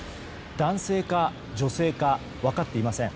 男性か女性か分かっていません。